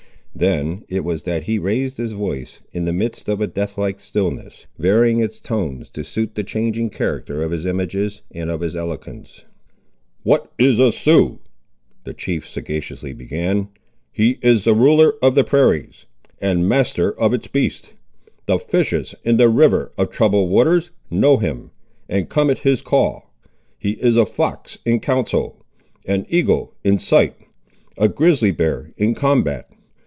Then it was that he raised his voice, in the midst of a death like stillness, varying its tones to suit the changing character of his images, and of his eloquence. "What is a Sioux?" the chief sagaciously began; "he is ruler of the prairies, and master of its beasts. The fishes in the 'river of troubled waters' know him, and come at his call. He is a fox in counsel; an eagle in sight; a grizzly bear in combat.